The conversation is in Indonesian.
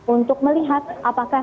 untuk melihat apakah